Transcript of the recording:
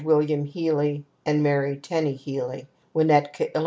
WILLIAM HEALY MARY TENNEY HEALY WINNETKA, ILL.